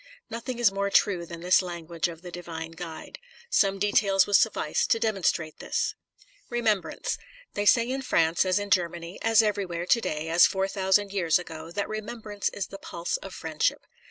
Nothing is more true than this language of the divine guide; some details will suffice to demonstrate this. Remembrance. They say in France as in Germany, as everywhere, to day as four thou sand years ago, that remembrance is the pulse of friendship.